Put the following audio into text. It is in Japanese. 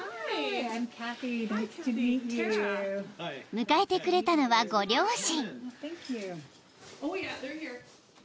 ［迎えてくれたのはご両親］